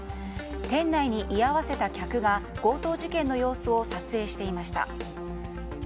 店内に居合わせた客が強盗事件の様子を撮影していました。